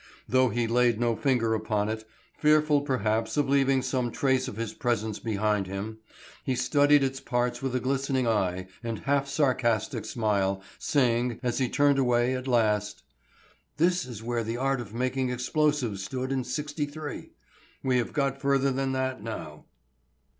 Though he laid no finger upon it, fearful perhaps of leaving some trace of his presence behind him, he studied its parts with a glistening eye and half sarcastic smile, saying, as he turned away at last: "This is where the art of making explosives stood in '63. We have got further than that now."